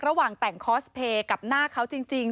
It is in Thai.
ระหว่างแต่งคอสเพย์กับหน้าเขาจริง